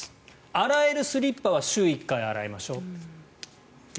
洗えるスリッパは週に１回洗いましょうと。